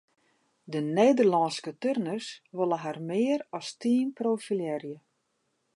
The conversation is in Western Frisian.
De Nederlânske turners wolle har mear as team profilearje.